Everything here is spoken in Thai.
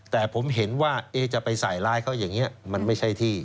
แต่ผมเห็นว่าจะไปใส่ร้ายเขาอย่างนี้มันไม่ใช่ที่